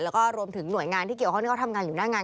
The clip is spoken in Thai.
แล้วก็รวมถึงหน่วยงานที่เกี่ยวข้องที่เขาทำงานอยู่หน้างาน